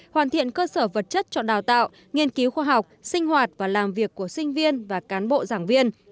hoàn thiện cơ sở vật chất cho đào tạo nghiên cứu khoa học sinh hoạt và làm việc của sinh viên và cán bộ giảng viên